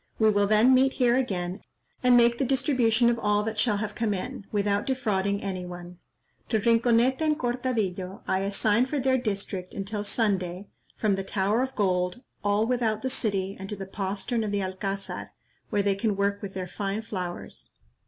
We will then meet here again, and make the distribution of all that shall have come in, without defrauding any one. To Rinconete and Cortadillo I assign for their district, until Sunday, from the Tower of Gold, all without the city, and to the postern of the Alcazar, where they can work with their fine flowers.